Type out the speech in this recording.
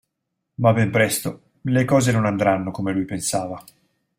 Ma ben presto le cose non andranno come lui pensava.